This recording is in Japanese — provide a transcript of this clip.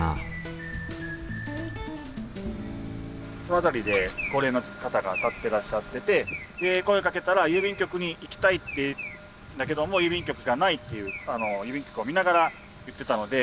この辺りで高齢の方が立ってらっしゃってて声かけたら郵便局に行きたいってだけども郵便局がないって郵便局を見ながら言ってたので。